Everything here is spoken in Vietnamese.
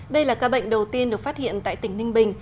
đây là ca bệnh đầu tiên được phát hiện tại tỉnh ninh bình